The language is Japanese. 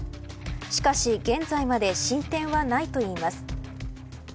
しかし現在まで進展はないといいます。